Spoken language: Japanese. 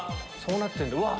そうなってんだ。